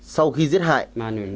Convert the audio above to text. sau khi giết hại ông nó